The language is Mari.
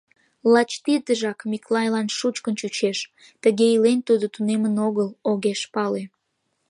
Лач тидыжак Миклайлан шучкын чучеш, тыге илен тудо тунемын огыл, огеш пале.